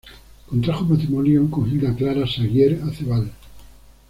Contrajo matrimonio con Hilda Clara Saguier Aceval.